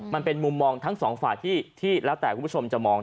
มันเป็นมุมมองทั้งสองฝ่ายที่แล้วแต่คุณผู้ชมจะมอง